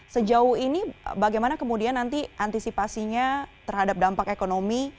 sejauh ini bagaimana kemudian nanti antisipasinya terhadap dampak ekonomi